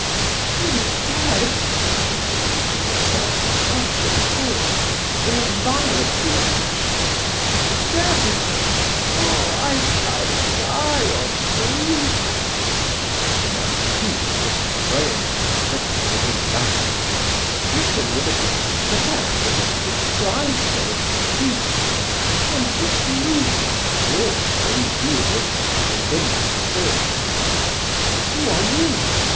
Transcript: "She is dead!" she said to herself, after a pause, in a violent reaction. "Dead! Oh, I shall die of grief!" The Marquise was throwing herself upon the divan, stricken with a despair which deprived her of speech, when this movement brought her in view of Henri de Marsay. "Who are you?"